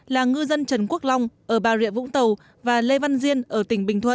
là ngư dân trần quốc long ở bà rịa vũng tàu và lê văn diên ở tỉnh bình thuận